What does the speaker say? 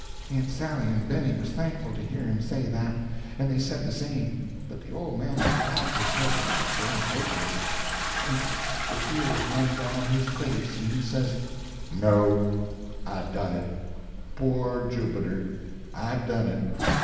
Aunt Sally and Benny was thankful to hear him say that, and they said the same; but the old man he wagged his head sorrowful and hopeless, and the tears run down his face, and he says; "No—I done it; poor Jubiter, I done it!"